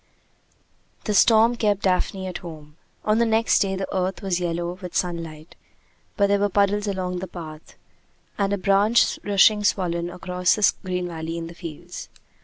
The storm kept Daphne at home. On the next day the earth was yellow with sunlight, but there were puddles along the path, and a branch rushing swollen across the green valley in the fields.